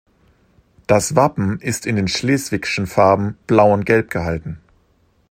Das Wappen ist in den schleswigschen Farben blau und gelb gehalten.